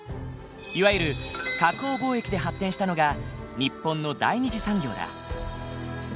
いわゆる加工貿易で発展したのが日本の第二次産業だ。